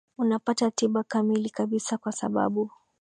unapata tiba kamili kabisa kwa sababu